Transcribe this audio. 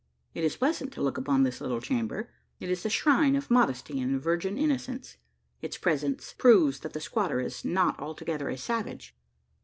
It is pleasant to look upon this little chamber: it is the shrine of modesty and virgin innocence. Its presence proves that the squatter is not altogether a savage.